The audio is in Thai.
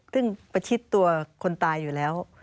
ซึ่งประชิดตัวคนตายอยู่แล้ว